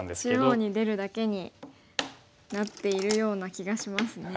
中央に出るだけになっているような気がしますね。